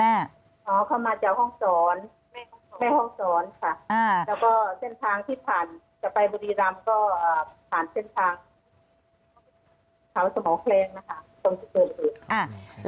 อันดับที่สุดท้าย